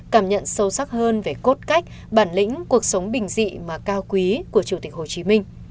cảm nhận sâu sắc hơn về cốt cách bản lĩnh cuộc sống bình dị mà cao quý của chủ tịch hồ chí minh